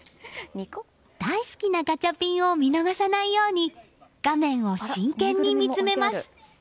大好きなガチャピンを見逃さないように画面を真剣に見つめます。